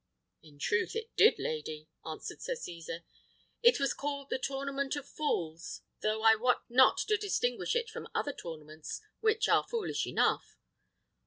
"In truth it did, lady," answered Sir Cesar; "it was called the Tournament of Fools, though I wot not to distinguish it from other tournaments, which are all foolish enough.